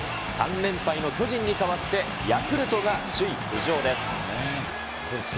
３連敗の巨人に代わって、ヤクルトが首位浮上です。